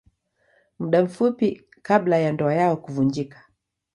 Muda mfupi kabla ya ndoa yao kuvunjika.